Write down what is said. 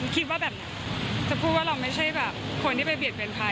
คิดว่าแบบจะพูดว่าเราไม่ใช่แบบคนที่ไปเบียดเบียนใคร